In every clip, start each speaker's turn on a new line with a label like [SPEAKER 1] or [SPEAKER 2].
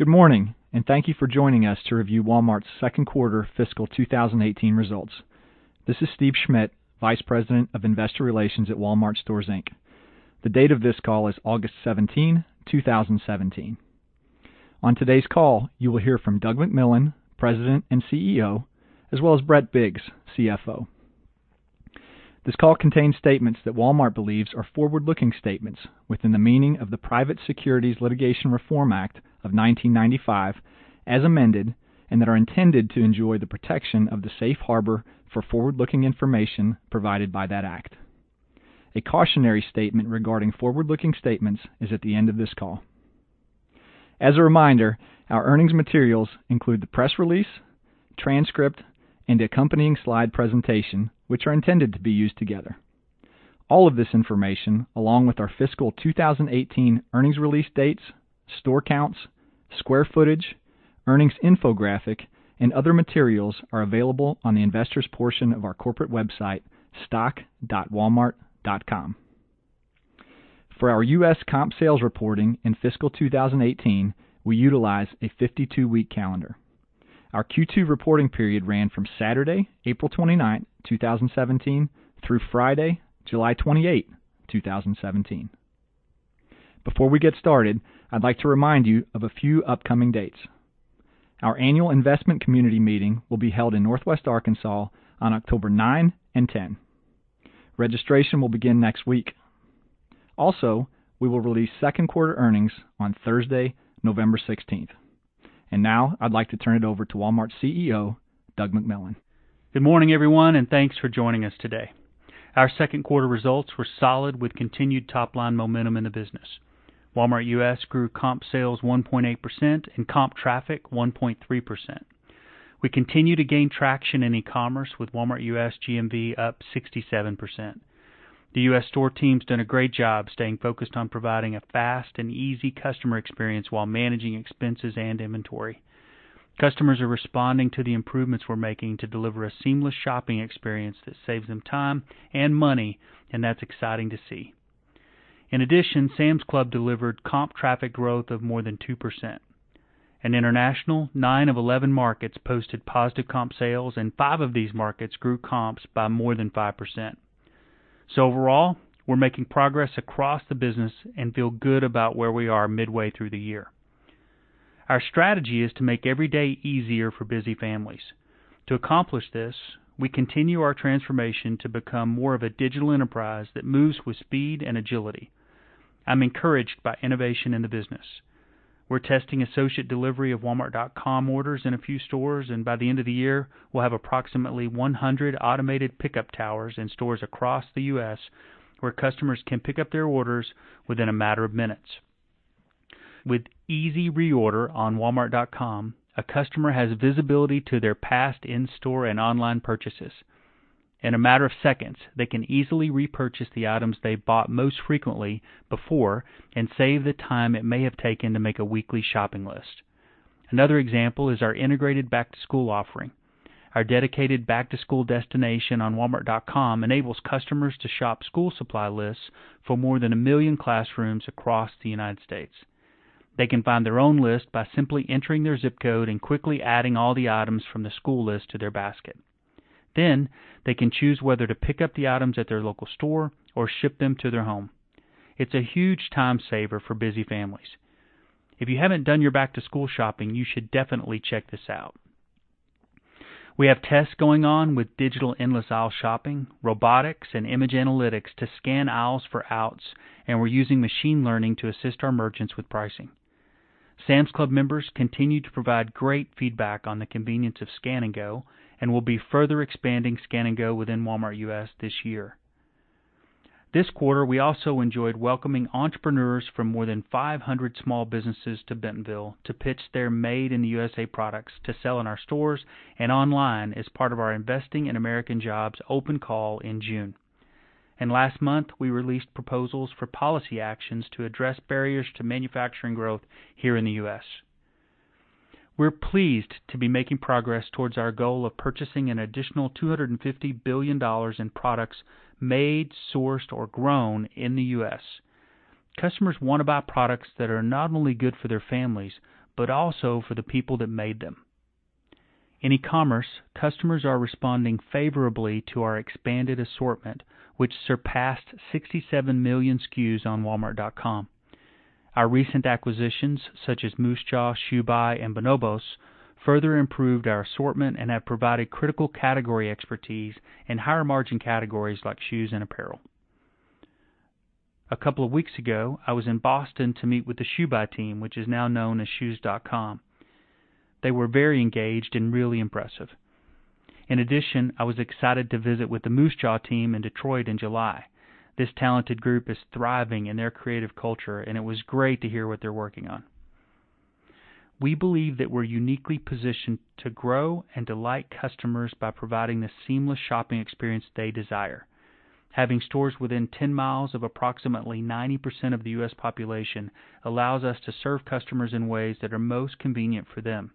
[SPEAKER 1] Good morning, thank you for joining us to review Walmart's second quarter fiscal 2018 results. This is Steve Schmitt, Vice President of Investor Relations at Walmart Stores, Inc. The date of this call is August 17, 2017. On today's call, you will hear from Doug McMillon, President and CEO, as well as Brett Biggs, CFO. This call contains statements that Walmart believes are forward-looking statements within the meaning of the Private Securities Litigation Reform Act of 1995 as amended and that are intended to enjoy the protection of the safe harbor for forward-looking information provided by that act. A cautionary statement regarding forward-looking statements is at the end of this call. As a reminder, our earnings materials include the press release, transcript, and accompanying slide presentation, which are intended to be used together. All of this information, along with our fiscal 2018 earnings release dates, store counts, square footage, earnings infographic, and other materials are available on the investors' portion of our corporate website, stock.walmart.com. For our U.S. comp sales reporting in fiscal 2018, we utilize a 52-week calendar. Our Q2 reporting period ran from Saturday, April 29, 2017, through Friday, July 28, 2017. Before we get started, I'd like to remind you of a few upcoming dates. Our annual investment community meeting will be held in Northwest Arkansas on October 9 and 10. Registration will begin next week. We will release third-quarter earnings on Thursday, November 16th. Now I'd like to turn it over to Walmart's CEO, Doug McMillon.
[SPEAKER 2] Good morning, everyone, thanks for joining us today. Our second quarter results were solid with continued top-line momentum in the business. Walmart U.S. grew comp sales 1.8% and comp traffic 1.3%. We continue to gain traction in e-commerce with Walmart U.S. GMV up 67%. The U.S. store team's done a great job staying focused on providing a fast and easy customer experience while managing expenses and inventory. Customers are responding to the improvements we're making to deliver a seamless shopping experience that saves them time and money, that's exciting to see. In addition, Sam's Club delivered comp traffic growth of more than 2%. In international, nine of 11 markets posted positive comp sales, and five of these markets grew comps by more than 5%. Overall, we're making progress across the business and feel good about where we are midway through the year. Our strategy is to make every day easier for busy families. To accomplish this, we continue our transformation to become more of a digital enterprise that moves with speed and agility. I'm encouraged by innovation in the business. We're testing associate delivery of walmart.com orders in a few stores, by the end of the year, we'll have approximately 100 automated pickup towers in stores across the U.S. where customers can pick up their orders within a matter of minutes. With Easy Reorder on walmart.com, a customer has visibility to their past in-store and online purchases. In a matter of seconds, they can easily repurchase the items they've bought most frequently before and save the time it may have taken to make a weekly shopping list. Another example is our integrated back-to-school offering. Our dedicated back-to-school destination on walmart.com enables customers to shop school supply lists for more than a million classrooms across the U.S. They can find their own list by simply entering their ZIP code and quickly adding all the items from the school list to their basket. Then, they can choose whether to pick up the items at their local store or ship them to their home. It's a huge time saver for busy families. If you haven't done your back-to-school shopping, you should definitely check this out. We have tests going on with digital endless aisle shopping, robotics, and image analytics to scan aisles for outs, and we're using machine learning to assist our merchants with pricing. Sam's Club members continue to provide great feedback on the convenience of Scan & Go, and we'll be further expanding Scan & Go within Walmart U.S. this year. This quarter, we also enjoyed welcoming entrepreneurs from more than 500 small businesses to Bentonville to pitch their Made in the USA products to sell in our stores and online as part of our Investing in American Jobs open call in June. Last month, we released proposals for policy actions to address barriers to manufacturing growth here in the U.S. We're pleased to be making progress towards our goal of purchasing an additional $250 billion in products made, sourced, or grown in the U.S. Customers want to buy products that are not only good for their families, but also for the people that made them. In e-commerce, customers are responding favorably to our expanded assortment, which surpassed 67 million SKUs on walmart.com. Our recent acquisitions, such as Moosejaw, ShoeBuy, and Bonobos, further improved our assortment and have provided critical category expertise in higher-margin categories like shoes and apparel. A couple of weeks ago, I was in Boston to meet with the ShoeBuy team, which is now known as Shoes.com. They were very engaged and really impressive. In addition, I was excited to visit with the Moosejaw team in Detroit in July. This talented group is thriving in their creative culture, and it was great to hear what they're working on. We believe that we're uniquely positioned to grow and delight customers by providing the seamless shopping experience they desire. Having stores within 10 miles of approximately 90% of the U.S. population allows us to serve customers in ways that are most convenient for them.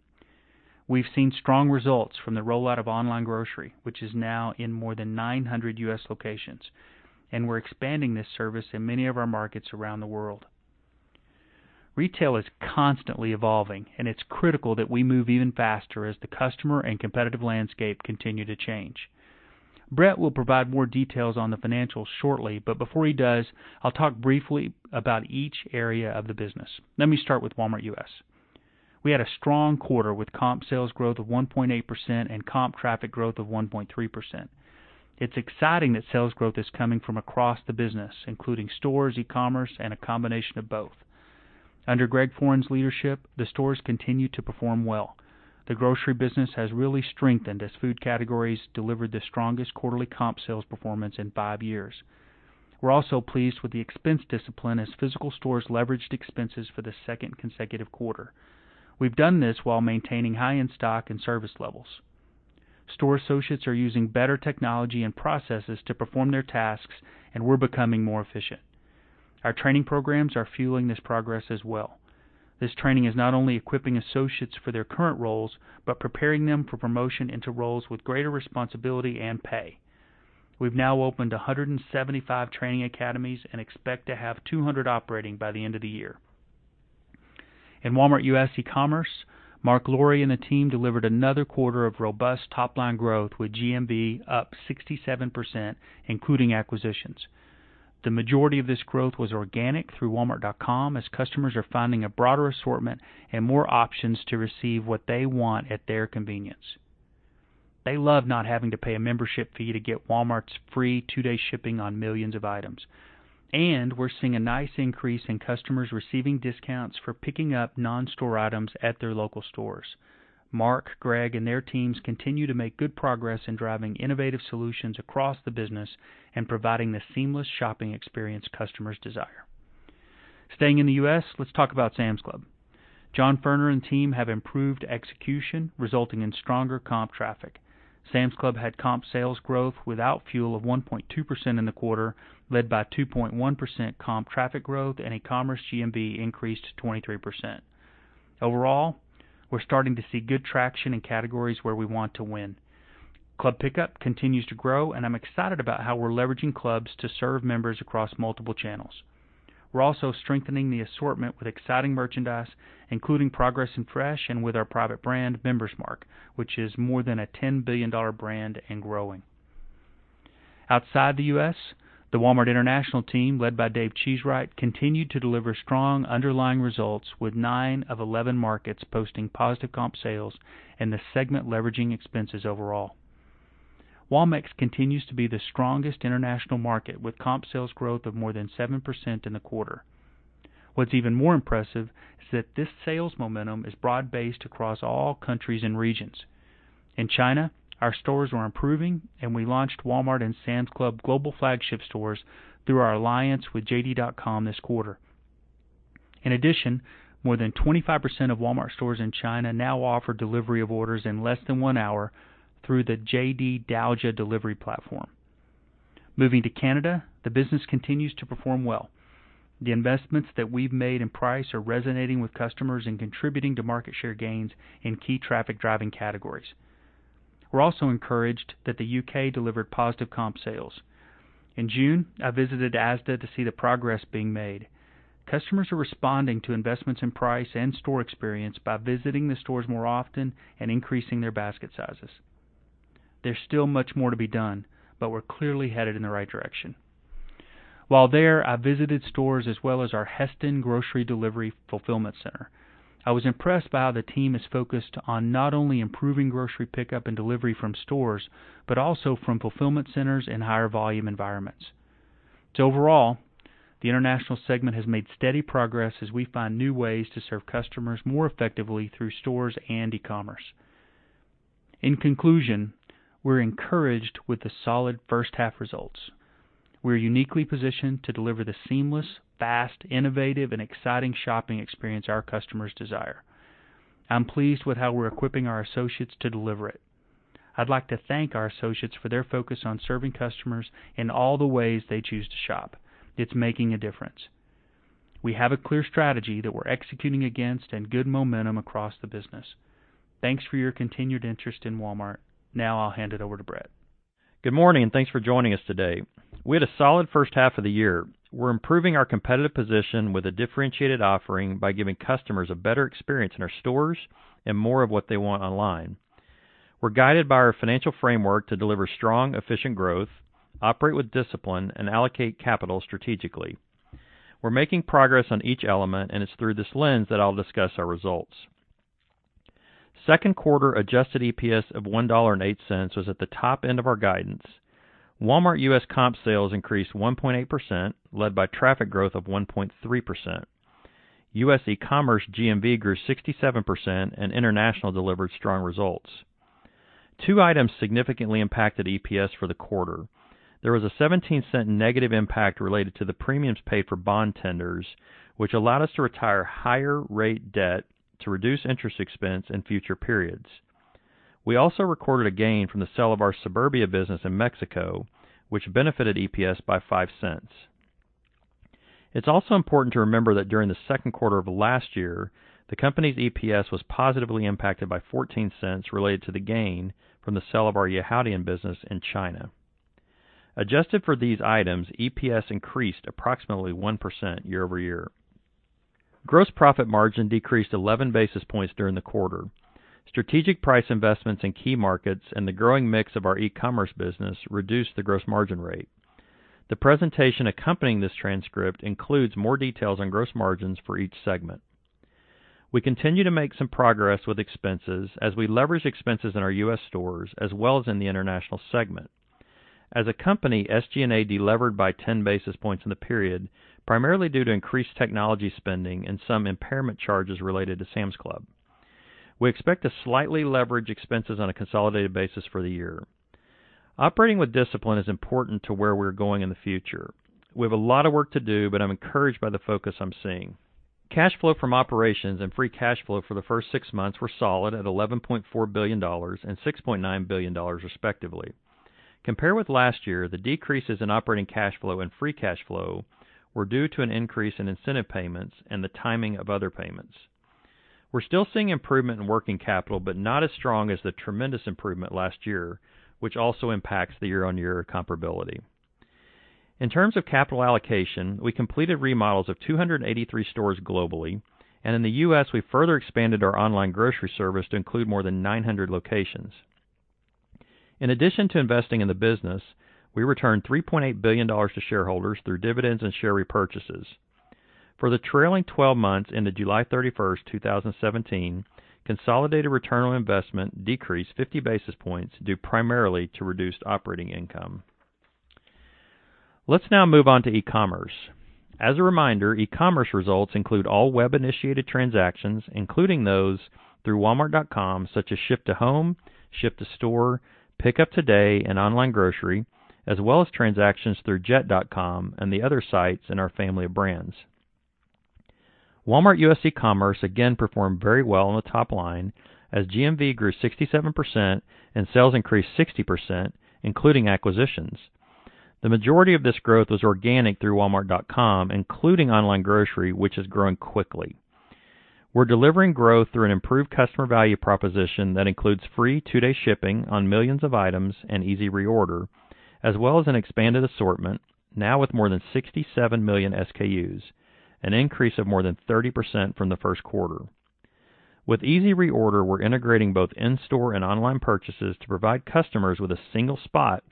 [SPEAKER 2] We've seen strong results from the rollout of Online Grocery, which is now in more than 900 U.S. locations, and we're expanding this service in many of our markets around the world. Retail is constantly evolving. It's critical that we move even faster as the customer and competitive landscape continue to change. Brett will provide more details on the financials shortly. Before he does, I'll talk briefly about each area of the business. Let me start with Walmart U.S. We had a strong quarter with comp sales growth of 1.8% and comp traffic growth of 1.3%. It's exciting that sales growth is coming from across the business, including stores, e-commerce, and a combination of both. Under Greg Foran's leadership, the stores continue to perform well. The grocery business has really strengthened as food categories delivered the strongest quarterly comp sales performance in five years. We're also pleased with the expense discipline as physical stores leveraged expenses for the second consecutive quarter. We've done this while maintaining high in-stock and service levels. Store associates are using better technology and processes to perform their tasks, and we're becoming more efficient. Our training programs are fueling this progress as well. This training is not only equipping associates for their current roles but preparing them for promotion into roles with greater responsibility and pay. We've now opened 175 training academies and expect to have 200 operating by the end of the year. In Walmart U.S. eCommerce, Marc Lore and the team delivered another quarter of robust top-line growth with GMV up 67%, including acquisitions. The majority of this growth was organic through walmart.com as customers are finding a broader assortment and more options to receive what they want at their convenience. They love not having to pay a membership fee to get Walmart's free two-day shipping on millions of items. We're seeing a nice increase in customers receiving discounts for picking up non-store items at their local stores. Marc, Greg, and their teams continue to make good progress in driving innovative solutions across the business and providing the seamless shopping experience customers desire. Staying in the U.S., let's talk about Sam's Club. John Furner and team have improved execution, resulting in stronger comp traffic. Sam's Club had comp sales growth without fuel of 1.2% in the quarter, led by 2.1% comp traffic growth, and e-commerce GMV increased to 23%. Overall, we're starting to see good traction in categories where we want to win. Club Pickup continues to grow, and I'm excited about how we're leveraging clubs to serve members across multiple channels. We're also strengthening the assortment with exciting merchandise, including progress in fresh and with our private brand, Member's Mark, which is more than a $10 billion brand and growing. Outside the U.S., the Walmart International team, led by David Cheesewright, continued to deliver strong underlying results with nine of 11 markets posting positive comp sales and the segment leveraging expenses overall. Walmex continues to be the strongest international market, with comp sales growth of more than 7% in the quarter. What's even more impressive is that this sales momentum is broad-based across all countries and regions. In China, our stores are improving, and we launched Walmart and Sam's Club global flagship stores through our alliance with JD.com this quarter. In addition, more than 25% of Walmart stores in China now offer delivery of orders in less than one hour through the JD Daojia delivery platform. Moving to Canada, the business continues to perform well. The investments that we've made in price are resonating with customers and contributing to market share gains in key traffic-driving categories. We're also encouraged that the U.K. delivered positive comp sales. In June, I visited Asda to see the progress being made. Customers are responding to investments in price and store experience by visiting the stores more often and increasing their basket sizes. There's still much more to be done, but we're clearly headed in the right direction. While there, I visited stores as well as our Heston Grocery Delivery Fulfillment Center. I was impressed by how the team is focused on not only improving grocery pickup and delivery from stores, but also from fulfillment centers and higher volume environments. Overall, the international segment has made steady progress as we find new ways to serve customers more effectively through stores and e-commerce. In conclusion, we're encouraged with the solid first half results. We're uniquely positioned to deliver the seamless, fast, innovative, and exciting shopping experience our customers desire. I'm pleased with how we're equipping our associates to deliver it. I'd like to thank our associates for their focus on serving customers in all the ways they choose to shop. It's making a difference. We have a clear strategy that we're executing against and good momentum across the business. Thanks for your continued interest in Walmart. Now I'll hand it over to Brett.
[SPEAKER 3] Good morning. Thanks for joining us today. We had a solid first half of the year. We're improving our competitive position with a differentiated offering by giving customers a better experience in our stores and more of what they want online. We're guided by our financial framework to deliver strong, efficient growth, operate with discipline, and allocate capital strategically. We're making progress on each element, and it's through this lens that I'll discuss our results. Second quarter adjusted EPS of $1.08 was at the top end of our guidance. Walmart U.S. comp sales increased 1.8%, led by traffic growth of 1.3%. U.S. e-commerce GMV grew 67%, and International delivered strong results. Two items significantly impacted EPS for the quarter. There was a $0.17 negative impact related to the premiums paid for bond tenders, which allowed us to retire higher rate debt to reduce interest expense in future periods. We also recorded a gain from the sale of our Suburbia business in Mexico, which benefited EPS by $0.05. It's also important to remember that during the second quarter of last year, the company's EPS was positively impacted by $0.14 related to the gain from the sale of our Yihaodian business in China. Adjusted for these items, EPS increased approximately 1% year-over-year. Gross profit margin decreased 11 basis points during the quarter. Strategic price investments in key markets and the growing mix of our e-commerce business reduced the gross margin rate. The presentation accompanying this transcript includes more details on gross margins for each segment. We continue to make some progress with expenses as we leverage expenses in our U.S. stores as well as in the international segment. As a company, SG&A delevered by 10 basis points in the period, primarily due to increased technology spending and some impairment charges related to Sam's Club. We expect to slightly leverage expenses on a consolidated basis for the year. Operating with discipline is important to where we're going in the future. We have a lot of work to do, but I'm encouraged by the focus I'm seeing. Cash flow from operations and free cash flow for the first six months were solid at $11.4 billion and $6.9 billion, respectively. Compared with last year, the decreases in operating cash flow and free cash flow were due to an increase in incentive payments and the timing of other payments. We're still seeing improvement in working capital, but not as strong as the tremendous improvement last year, which also impacts the year-over-year comparability. In terms of capital allocation, we completed remodels of 283 stores globally, in the U.S., we further expanded our Online Grocery service to include more than 900 locations. In addition to investing in the business, we returned $3.8 billion to shareholders through dividends and share repurchases. For the trailing 12 months ending July 31st, 2017, consolidated return on investment decreased 50 basis points, due primarily to reduced operating income. Let's now move on to e-commerce. As a reminder, e-commerce results include all web-initiated transactions, including those through walmart.com, such as Ship to Home, Ship to Store, Pick Up Today, and Online Grocery, as well as transactions through jet.com and the other sites in our family of brands. Walmart U.S. eCommerce again performed very well on the top line as GMV grew 67% and sales increased 60%, including acquisitions. The majority of this growth was organic through walmart.com, including Online Grocery, which is growing quickly. We're delivering growth through an improved customer value proposition that includes free two-day shipping on millions of items and Easy Reorder, as well as an expanded assortment, now with more than 67 million SKUs, an increase of more than 30% from the first quarter. With Easy Reorder, we're integrating both in-store and online purchases to provide customers with a single spot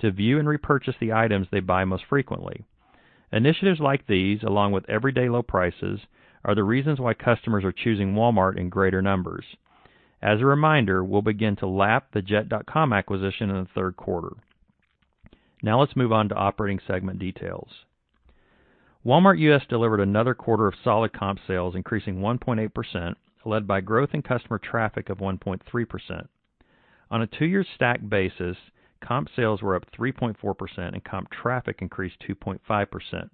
[SPEAKER 3] to view and repurchase the items they buy most frequently. Initiatives like these, along with everyday low prices, are the reasons why customers are choosing Walmart in greater numbers. As a reminder, we'll begin to lap the jet.com acquisition in the third quarter. Let's move on to operating segment details. Walmart U.S. delivered another quarter of solid comp sales, increasing 1.8%, led by growth in customer traffic of 1.3%. On a two-year stack basis, comp sales were up 3.4% and comp traffic increased 2.5%.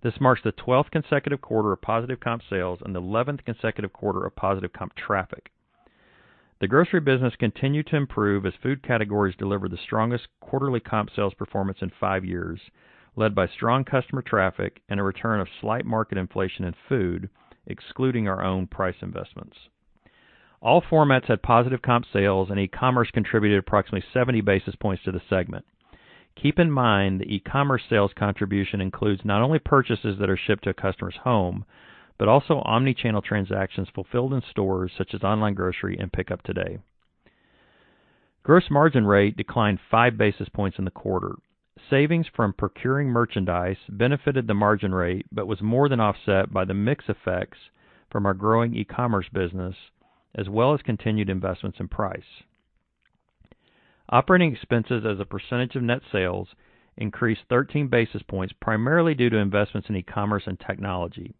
[SPEAKER 3] This marks the 12th consecutive quarter of positive comp sales and the 11th consecutive quarter of positive comp traffic. The grocery business continued to improve as food categories delivered the strongest quarterly comp sales performance in five years, led by strong customer traffic and a return of slight market inflation in food, excluding our own price investments. All formats had positive comp sales, and e-commerce contributed approximately 70 basis points to the segment. Keep in mind that e-commerce sales contribution includes not only purchases that are shipped to a customer's home, but also omni-channel transactions fulfilled in stores such as Online Grocery and Pick Up Today. Gross margin rate declined five basis points in the quarter. Savings from procuring merchandise benefited the margin rate but was more than offset by the mix effects from our growing e-commerce business, as well as continued investments in price. Operating expenses as a percentage of net sales increased 13 basis points, primarily due to investments in e-commerce and technology.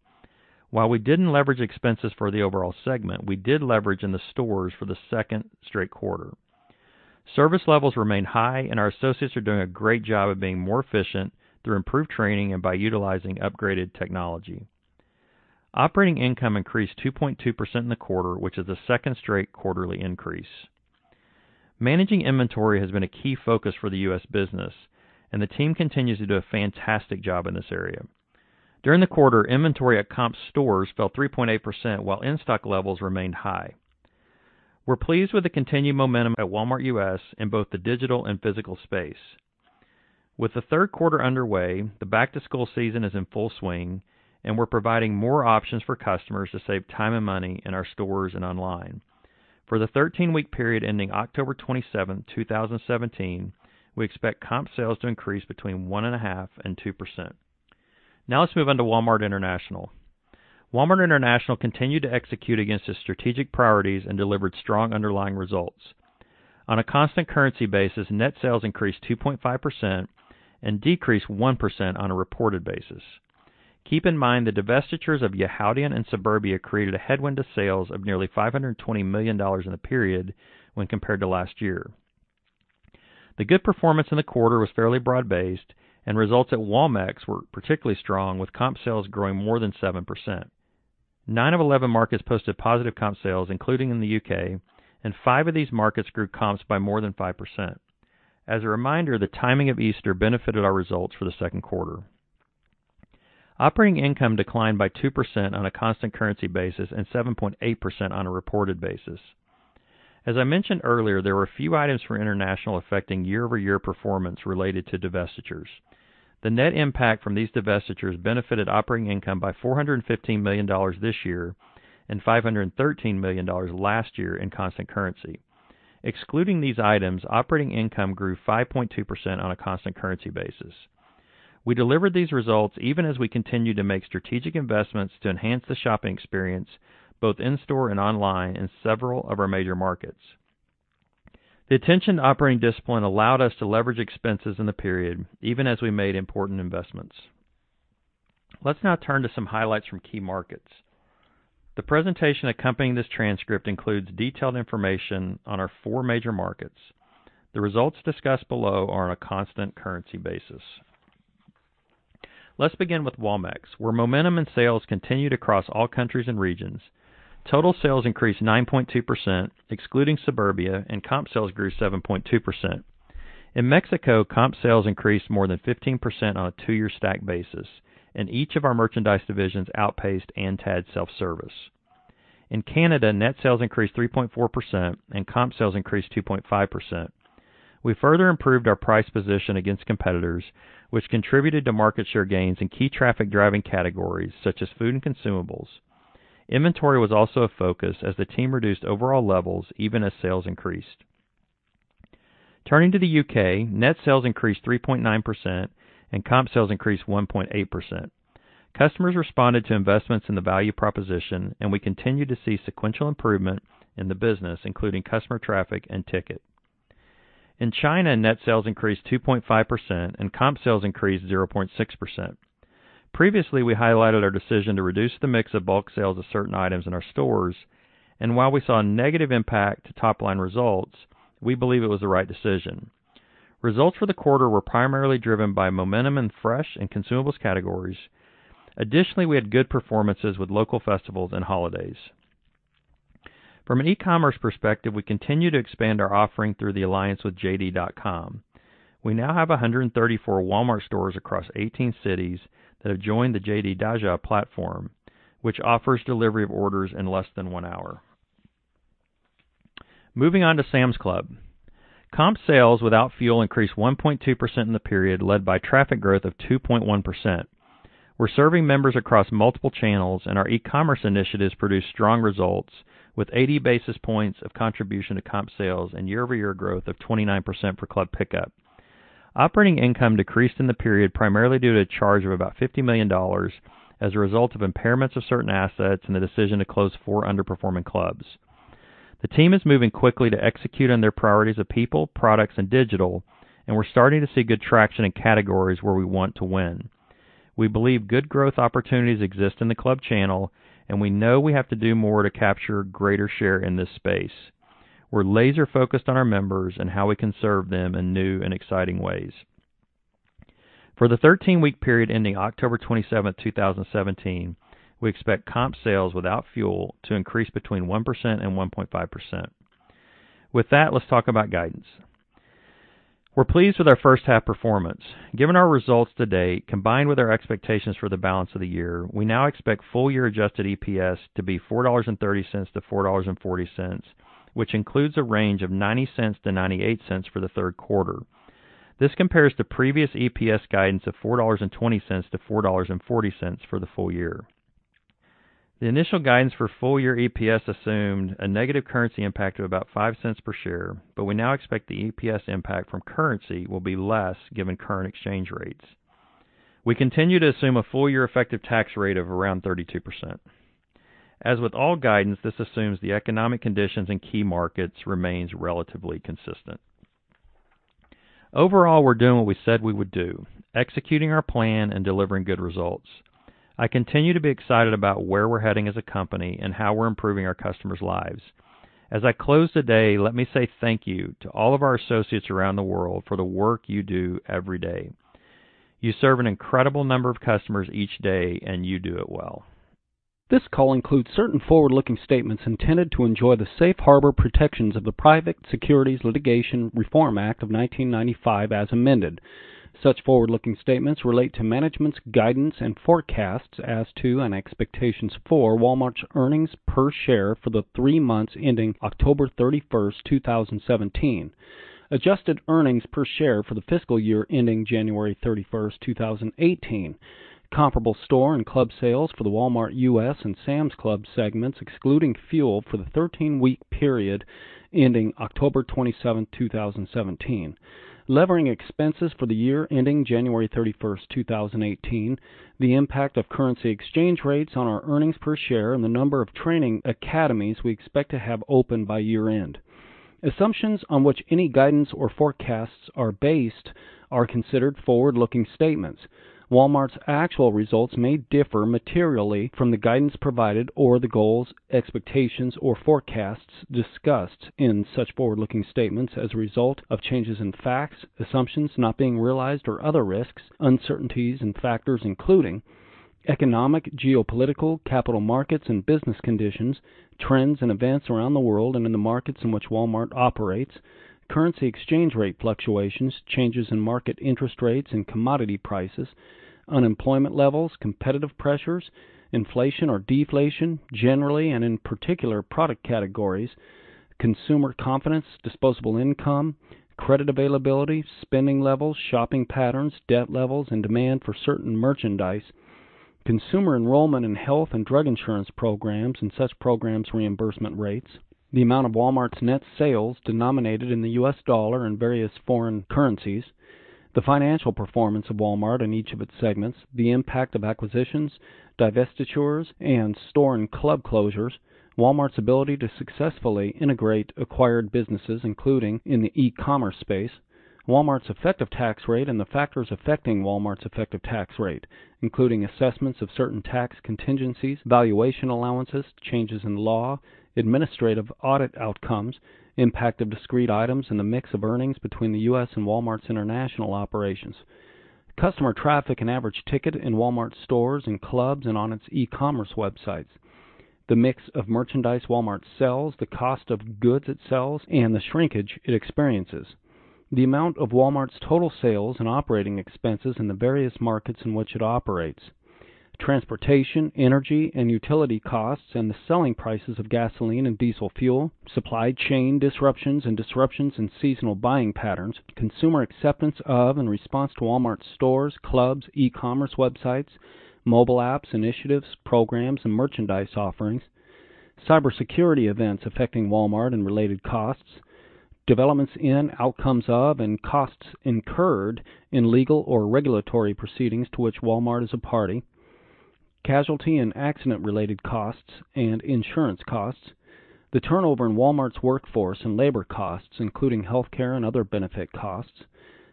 [SPEAKER 3] While we didn't leverage expenses for the overall segment, we did leverage in the stores for the second straight quarter. Service levels remain high, and our associates are doing a great job of being more efficient through improved training and by utilizing upgraded technology. Operating income increased 2.2% in the quarter, which is the second straight quarterly increase. Managing inventory has been a key focus for the U.S. business, and the team continues to do a fantastic job in this area. During the quarter, inventory at comp stores fell 3.8%, while in-stock levels remained high. We're pleased with the continued momentum at Walmart U.S. in both the digital and physical space. With the third quarter underway, the back-to-school season is in full swing, and we're providing more options for customers to save time and money in our stores and online. For the 13-week period ending October 27, 2017, we expect comp sales to increase between 1.5% and 2%. Now let's move on to Walmart International. Walmart International continued to execute against its strategic priorities and delivered strong underlying results. On a constant currency basis, net sales increased 2.5% and decreased 1% on a reported basis. Keep in mind, the divestitures of Yihaodian and Suburbia created a headwind to sales of nearly $520 million in the period when compared to last year. The good performance in the quarter was fairly broad-based, and results at Walmex were particularly strong, with comp sales growing more than 7%. Nine of 11 markets posted positive comp sales, including in the U.K., and five of these markets grew comps by more than 5%. As a reminder, the timing of Easter benefited our results for the second quarter. Operating income declined by 2% on a constant currency basis and 7.8% on a reported basis. As I mentioned earlier, there were a few items for international affecting year-over-year performance related to divestitures. The net impact from these divestitures benefited operating income by $415 million this year and $513 million last year in constant currency. Excluding these items, operating income grew 5.2% on a constant currency basis. We delivered these results even as we continued to make strategic investments to enhance the shopping experience, both in-store and online, in several of our major markets. The attention operating discipline allowed us to leverage expenses in the period, even as we made important investments. Let's now turn to some highlights from key markets. The presentation accompanying this transcript includes detailed information on our four major markets. The results discussed below are on a constant currency basis. Let's begin with Walmex, where momentum and sales continued across all countries and regions. Total sales increased 9.2%, excluding Suburbia, and comp sales grew 7.2%. In Mexico, comp sales increased more than 15% on a two-year stack basis, and each of our merchandise divisions outpaced ANTAD self-service. In Canada, net sales increased 3.4% and comp sales increased 2.5%. We further improved our price position against competitors, which contributed to market share gains in key traffic-driving categories, such as food and consumables. Inventory was also a focus as the team reduced overall levels even as sales increased. Turning to the U.K., net sales increased 3.9% and comp sales increased 1.8%. Customers responded to investments in the value proposition, and we continued to see sequential improvement in the business, including customer traffic and ticket. In China, net sales increased 2.5% and comp sales increased 0.6%. Previously, we highlighted our decision to reduce the mix of bulk sales of certain items in our stores, and while we saw a negative impact to top-line results, we believe it was the right decision. Results for the quarter were primarily driven by momentum in fresh and consumables categories. Additionally, we had good performances with local festivals and holidays. From an e-commerce perspective, we continue to expand our offering through the alliance with JD.com. We now have 134 Walmart stores across 18 cities that have joined the JD Daojia platform, which offers delivery of orders in less than one hour. Moving on to Sam's Club. Comp sales without fuel increased 1.2% in the period, led by traffic growth of 2.1%. We're serving members across multiple channels. Our e-commerce initiatives produced strong results with 80 basis points of contribution to comp sales and year-over-year growth of 29% for Club Pickup. Operating income decreased in the period primarily due to a charge of about $50 million as a result of impairments of certain assets and the decision to close four underperforming clubs. The team is moving quickly to execute on their priorities of people, products, and digital. We're starting to see good traction in categories where we want to win. We believe good growth opportunities exist in the club channel. We know we have to do more to capture greater share in this space. We're laser-focused on our members and how we can serve them in new and exciting ways. For the 13-week period ending October 27th, 2017, we expect comp sales without fuel to increase between 1% and 1.5%. With that, let's talk about guidance. We're pleased with our first-half performance. Given our results to date, combined with our expectations for the balance of the year, we now expect full-year adjusted EPS to be $4.30-$4.40, which includes a range of $0.90-$0.98 for the third quarter. This compares to previous EPS guidance of $4.20-$4.40 for the full year. The initial guidance for full-year EPS assumed a negative currency impact of about $0.05 per share. We now expect the EPS impact from currency will be less, given current exchange rates. We continue to assume a full-year effective tax rate of around 32%. As with all guidance, this assumes the economic conditions in key markets remains relatively consistent. Overall, we're doing what we said we would do, executing our plan and delivering good results. I continue to be excited about where we're heading as a company and how we're improving our customers' lives. As I close the day, let me say thank you to all of our associates around the world for the work you do every day. You serve an incredible number of customers each day. You do it well.
[SPEAKER 1] This call includes certain forward-looking statements intended to enjoy the safe harbor protections of the Private Securities Litigation Reform Act of 1995 as amended. Such forward-looking statements relate to management's guidance and forecasts as to, and expectations for, Walmart's earnings per share for the three months ending October 31st, 2017. Adjusted earnings per share for the fiscal year ending January 31st, 2018. Comparable store and club sales for the Walmart U.S. and Sam's Club segments, excluding fuel, for the 13-week period ending October 27th, 2017. Levering expenses for the year ending January 31st, 2018, the impact of currency exchange rates on our earnings per share. The number of training academies we expect to have open by year-end. Assumptions on which any guidance or forecasts are based are considered forward-looking statements. Walmart's actual results may differ materially from the guidance provided or the goals, expectations, or forecasts discussed in such forward-looking statements as a result of changes in facts, assumptions not being realized or other risks, uncertainties, and factors including economic, geopolitical, capital markets, and business conditions, trends and events around the world and in the markets in which Walmart operates, currency exchange rate fluctuations, changes in market interest rates and commodity prices, unemployment levels, competitive pressures, inflation or deflation, generally and in particular product categories, consumer confidence, disposable income, credit availability, spending levels, shopping patterns, debt levels, and demand for certain merchandise, consumer enrollment in health and drug insurance programs and such programs' reimbursement rates, the amount of Walmart's net sales denominated in the U.S. dollar and various foreign currencies, the financial performance of Walmart and each of its segments, the impact of acquisitions, divestitures, and store and club closures, Walmart's ability to successfully integrate acquired businesses, including in the e-commerce space, Walmart's effective tax rate, and the factors affecting Walmart's effective tax rate, including assessments of certain tax contingencies, valuation allowances, changes in law, administrative audit outcomes, impact of discrete items, and the mix of earnings between the U.S. and Walmart's international operations. Customer traffic and average ticket in Walmart stores and clubs and on its e-commerce websites. The mix of merchandise Walmart sells, the cost of goods it sells, and the shrinkage it experiences. The amount of Walmart's total sales and operating expenses in the various markets in which it operates. Transportation, energy, and utility costs and the selling prices of gasoline and diesel fuel, supply chain disruptions and disruptions in seasonal buying patterns, consumer acceptance of and response to Walmart stores, clubs, e-commerce websites, mobile apps, initiatives, programs and merchandise offerings, cybersecurity events affecting Walmart and related costs, developments in, outcomes of, and costs incurred in legal or regulatory proceedings to which Walmart is a party, casualty and accident-related costs and insurance costs, the turnover in Walmart's workforce and labor costs, including healthcare and other benefit costs,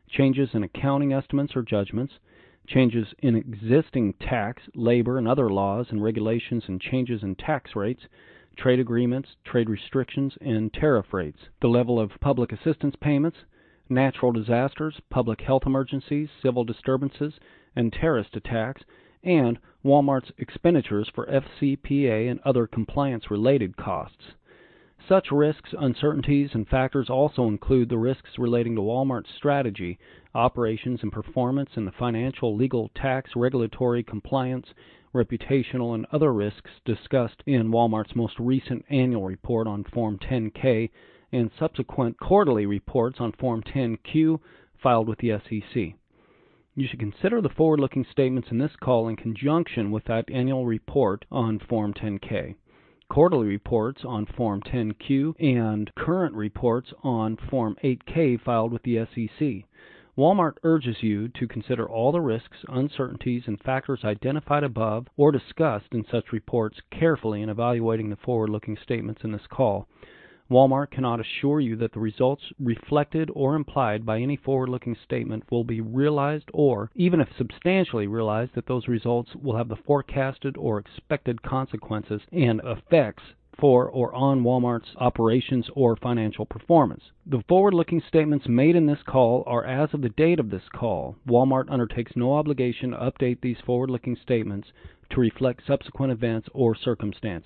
[SPEAKER 1] changes in accounting estimates or judgments, changes in existing tax, labor, and other laws and regulations and changes in tax rates, trade agreements, trade restrictions, and tariff rates, the level of public assistance payments, natural disasters, public health emergencies, civil disturbances, and terrorist attacks, and Walmart's expenditures for FCPA and other compliance-related costs. Such risks, uncertainties, and factors also include the risks relating to Walmart's strategy, operations and performance in the financial, legal, tax, regulatory compliance, reputational, and other risks discussed in Walmart's most recent annual report on Form 10-K and subsequent quarterly reports on Form 10-Q filed with the SEC. You should consider the forward-looking statements in this call in conjunction with that annual report on Form 10-K, quarterly reports on Form 10-Q, and current reports on Form 8-K filed with the SEC. Walmart urges you to consider all the risks, uncertainties, and factors identified above or discussed in such reports carefully in evaluating the forward-looking statements in this call. Walmart cannot assure you that the results reflected or implied by any forward-looking statement will be realized, or even if substantially realized, that those results will have the forecasted or expected consequences and effects for or on Walmart's operations or financial performance. The forward-looking statements made in this call are as of the date of this call. Walmart undertakes no obligation to update these forward-looking statements to reflect subsequent events or circumstances.